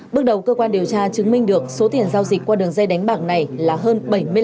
bước đầu cơ quan điều tra chứng minh được số tiền giao dịch qua đường dây đánh bạc này là hơn bảy mươi năm